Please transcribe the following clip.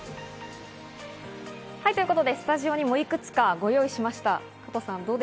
ということで、スタジオにもいくつかご用意しました。